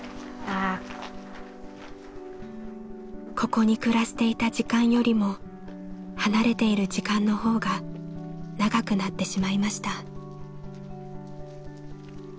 ここに暮らしていた時間よりも離れている時間の方が長くなってしまいました。